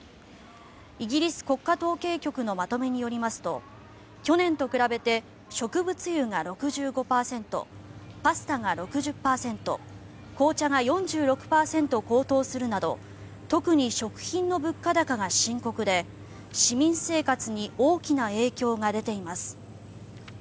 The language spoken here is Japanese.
イギリス国家統計局のまとめによりますと去年と比べて植物油が６５％パスタが６０％紅茶が４６％高騰するなど特に食品の物価高が深刻で市民生活に大きな影響が出ています。